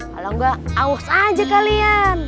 kalau enggak aus aja kalian